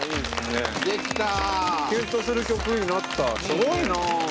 すごいなあ。